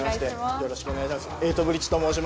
よろしくお願いします。